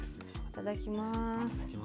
いただきます。